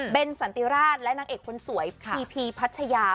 เป็นสันติราชและนางเอกคนสวยพีพีพัชยา